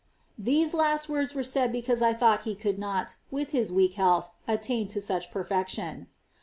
These last words were said because I thought he could not, with his weak health, attain to such perfection.